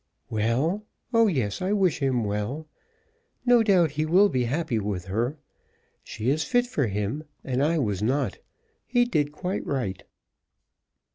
"Well! Oh, yes, I wish him well. No doubt he will be happy with her. She is fit for him, and I was not. He did quite right."